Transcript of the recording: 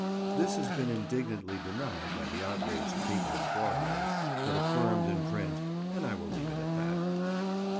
This has been indignantly denied by the outraged people of Broadway, but reaffirmed in print, and I will leave it at that.